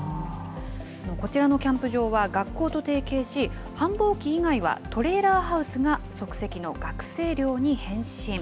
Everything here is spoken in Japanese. こちらのキャンプ場は学校と提携し、繁忙期以外はトレーラーハウスが即席の学生寮に変身。